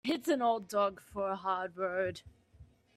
It's an old dog for a hard road.